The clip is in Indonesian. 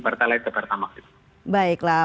pertalite ke pertamax itu baiklah